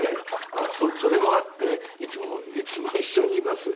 まあそれもあっていつもいつも一緒にいます。